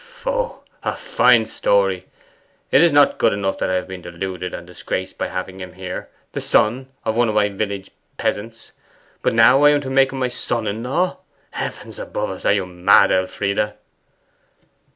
'Foh! A fine story. It is not enough that I have been deluded and disgraced by having him here, the son of one of my village peasants, but now I am to make him my son in law! Heavens above us, are you mad, Elfride?